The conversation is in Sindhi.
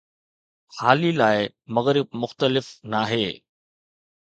هالي لاءِ، مغرب مختلف ناهي.